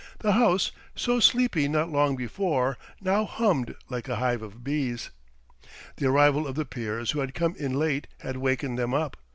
The House, so sleepy not long before, now hummed like a hive of bees. The arrival of the peers who had come in late had wakened them up.